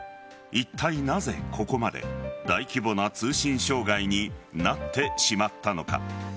いったい、なぜここまで大規模な通信障害になってしまったのか。